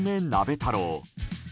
太郎。